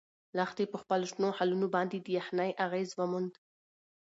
لښتې په خپلو شنو خالونو باندې د یخنۍ اغیز وموند.